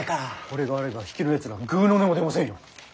これがあれば比企のやつらぐうの音も出ませんよ。